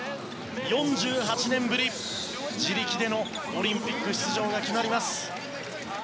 ４８年ぶり自力でのオリンピック出場が決まります。